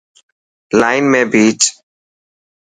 لائن ۾ پيچ.